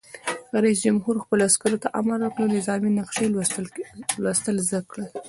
رئیس جمهور خپلو عسکرو ته امر وکړ؛ نظامي نقشې لوستل زده کړئ!